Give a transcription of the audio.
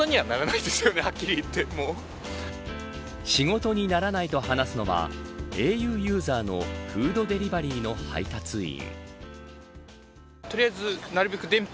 仕事にならないと話すのはａｕユーザーのフードデリバリーの配達員。